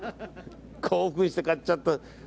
興奮して買っちゃった。